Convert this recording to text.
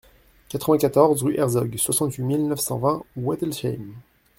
quatre-vingt-quatorze rue Herzog, soixante-huit mille neuf cent vingt Wettolsheim